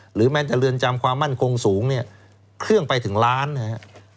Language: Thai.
หรือแม้แต่เรือนจำความมั่นคงสูงเนี่ยเครื่องไปถึงล้านนะครับ